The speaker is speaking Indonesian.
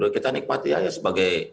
tiga puluh dua kita nikmati aja sebagai